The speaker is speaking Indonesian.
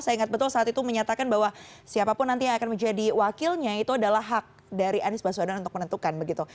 saya ingat betul saat itu menyatakan bahwa siapapun nanti yang akan menjadi wakilnya itu adalah hak dari anies baswedan untuk menentukan begitu